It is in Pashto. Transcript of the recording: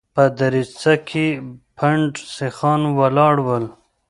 په دريڅه کې پنډ سيخان ولاړ ول.